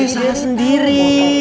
eh salah sendiri